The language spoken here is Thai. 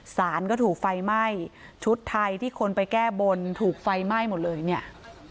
สารก็ถูกไฟไหม้ชุดไทยที่คนไปแก้บนถูกไฟไหม้หมดเลยเนี่ย